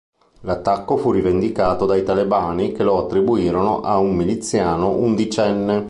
L'attacco fu rivendicato dai talebani che lo attribuirono a un miliziano undicenne.